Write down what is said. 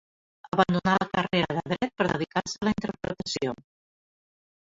Abandonà la carrera de Dret per dedicar-se a la interpretació.